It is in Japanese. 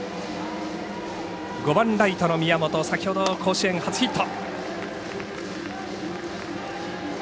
５番ライトの宮本、先ほど甲子園初ヒット。